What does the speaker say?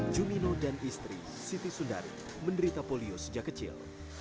jumino dan istri siti sundari menderita polio sejak kecil